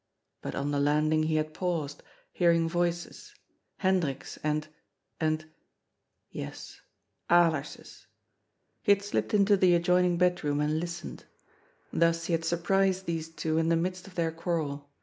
But on the landing he had paused, hearing voices, Hendrik's and — and — ^yes 440 OOD*S FOOL. — ^Alera's. He had slipped into the adjoining bedroom and listened. Thus he had surprised these two in the midst of their quarrel.